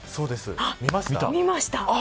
見ました。